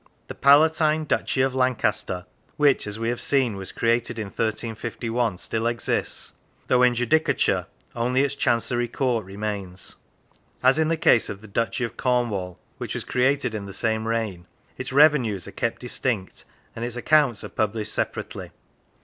The Palatine Duchy of Lancaster, which, as we have seen, was created in 1351, still exists, though in judicature only its Chancery court remains. As in the case of the Duchy of Cornwall, which was created in the same reign, its revenues are kept distinct, and its accounts are published separately.